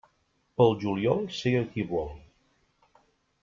Pel juliol sega qui vol.